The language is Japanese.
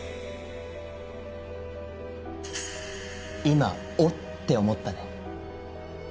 今「おっ！」って思ったね。